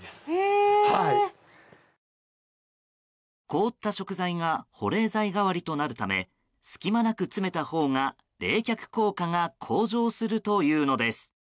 凍った食材が保冷剤代わりとなるため隙間なく詰めたほうが冷却効果が向上するというのです。